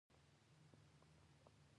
په ټي وي کښې يو سورمخى بيزو وزمه سړى.